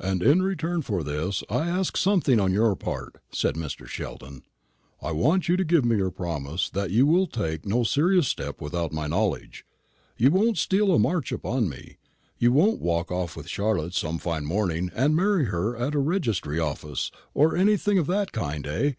"And in return for this I ask something on your part," said Mr. Sheldon. "I want you to give me your promise that you will take no serious step without my knowledge. You won't steal a march upon me. You won't walk off with Charlotte some fine morning and marry her at a registry office, or anything of that kind, eh?"